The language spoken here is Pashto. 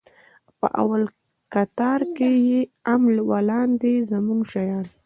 په اول کتار کښې يې ام و لاندې زموږ شيان.